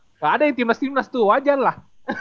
nggak ada yang timnas timnas tuh wajar lah